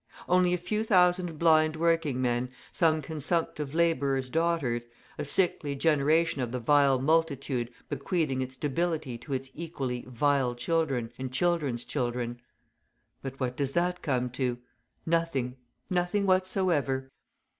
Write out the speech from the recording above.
Only a few thousand blind working men, some consumptive labourers' daughters, a sickly generation of the vile multitude bequeathing its debility to its equally "vile" children and children's children. But what does that come to? Nothing, nothing whatsoever!